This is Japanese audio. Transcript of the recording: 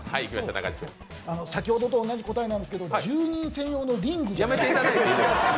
先ほどと同じ答えなんですけど住人専用のリングじゃないですか？